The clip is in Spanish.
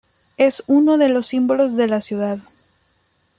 Es uno de los símbolos de la ciudad.